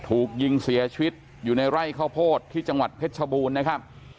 ถูกยิงเสียชีวิตอยู่ในไร่ข้าวโพดที่จังหวัดเพชรชบูรณ์นะครับ